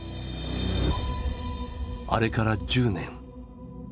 あれから１０年。